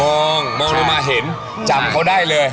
มองมองลงมาเห็นจำเขาได้เลย